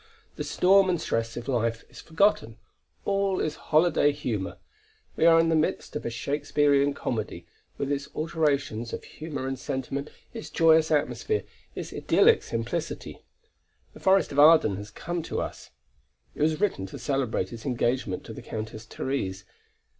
The storm and stress of life is forgotten; all is holiday humor. We are in the midst of a Shakespearian comedy, with its alternations of humor and sentiment, its joyous atmosphere, its idyllic simplicity; the forest of Arden has come to us. It was written to celebrate his engagement to the Countess Therese.